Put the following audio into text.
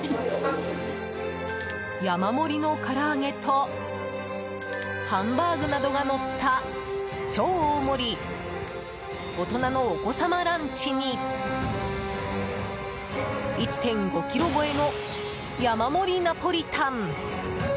山盛りのから揚げとハンバーグなどがのった超大盛り大人のお子様ランチに１．５ｋｇ超えの山盛りナポリタン。